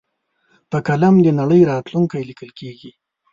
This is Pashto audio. په قلم د نړۍ راتلونکی لیکل کېږي.